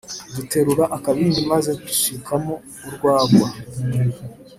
Duterura akabindi maze dusukamo urwagwa